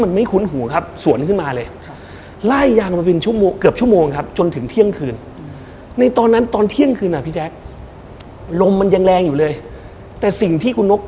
พายุก็หนักมาก